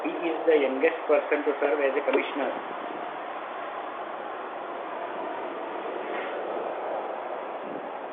He is the youngest person to serve as Commissioner.